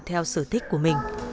theo sở thích của mình